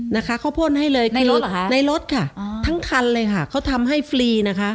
นะคะเขาพ่นให้เลยในรถในรถค่ะทั้งคันเลยค่ะเขาทำให้ฟรีนะคะ